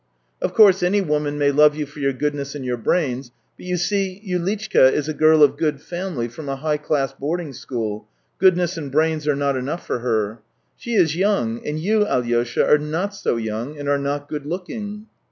Of course any woman may love you for your goodness and your brains, but, you see, Yulitchka is a girl of good family from a high class boarding school; goodness and brains are not enough for her. She is young, and you, Alyosha. are not so young, and are not good looking."